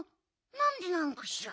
なんでなのかしら？